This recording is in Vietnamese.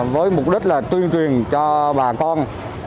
với mục đích là tuyên truyền cho bà con